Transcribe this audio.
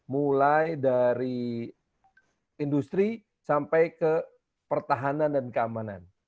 mulai dari industri sampai ke pertahanan dan keamanan